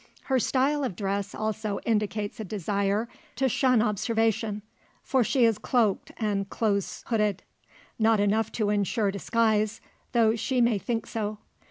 Her style of dress also indicates a desire to shun observation; for she is cloaked and close hooded. Not enough to ensure disguise, though she may think so.